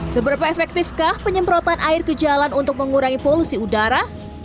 seberapa efektifkah penyemprotan air ke jalan untuk mengurangi polusi udara